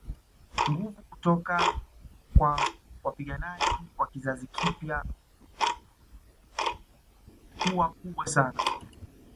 Nguvu kutoka kwa wapiganaji wa kizazi kipya huwa kubwa sana